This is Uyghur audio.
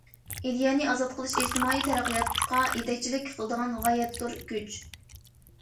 ئىدىيەنى ئازاد قىلىش ئىجتىمائىي تەرەققىياتقا يېتەكچىلىك قىلىدىغان غايەت زور كۈچ.